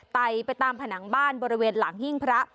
ไตไปตามผนังบ้านบริเวณหลังหิ้งพระ